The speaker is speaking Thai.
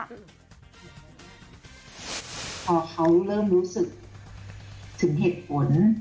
พอเขาเริ่มรู้สึกถึงเหตุผล